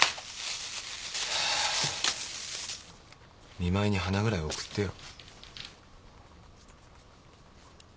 見舞いに花ぐらい送ってよ。